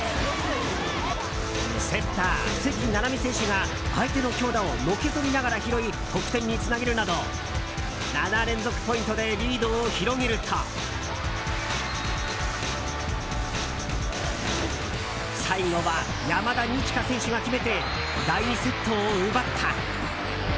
セッター、関菜々巳選手が相手の強打をのけぞりながら拾い得点につなげるなど７連続ポイントでリードを広げると最後は山田二千華選手が決めて第２セットを奪った！